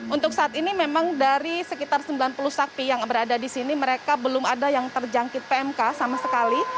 untuk saat ini memang dari sekitar sembilan puluh sapi yang berada di sini mereka belum ada yang terjangkit pmk sama sekali